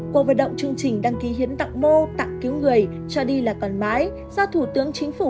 cuộc vận động chương trình đăng ký hiến tặng mô tặng cứu người cho đi là còn mãi do thủ tướng chính phủ